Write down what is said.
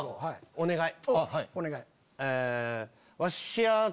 お願い。